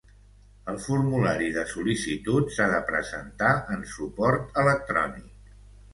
El formulari de sol·licitud s'ha de presentar en suport electrònic.